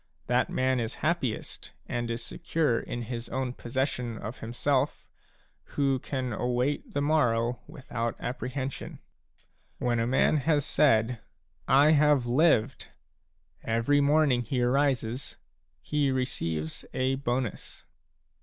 That man is happiest, and is secure in his own possession of himself, who can await the morrow without apprehension. When a man has said :" I have lived ! every morning he arises he receives a bonus.